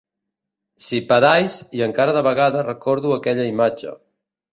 Sipadais" i encara de vegades recordo aquella imatge.